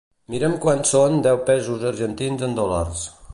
Mira'm quant són deu pesos argentins en dòlars.